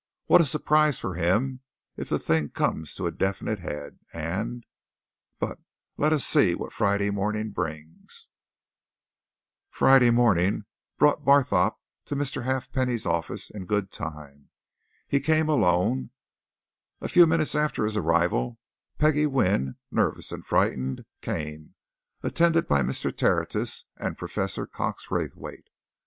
What a surprise for him if the thing comes to a definite head, and but let us see what Friday morning brings." Friday morning brought Barthorpe to Mr. Halfpenny's offices in good time. He came alone; a few minutes after his arrival Peggie Wynne, nervous and frightened, came, attended by Mr. Tertius and Professor Cox Raythwaite.